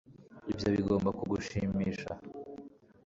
Ibyo bigomba kugushimisha